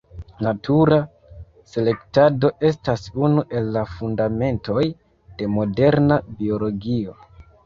Natura selektado estas unu el la fundamentoj de moderna biologio.